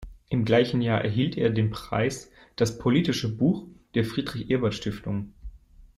Im gleichen Jahr erhielt er den Preis „Das politische Buch“ der Friedrich-Ebert-Stiftung.